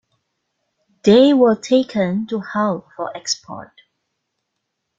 They were taken to Hull for export.